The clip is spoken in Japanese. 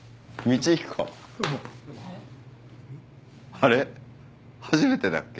あれ初めてだっけ？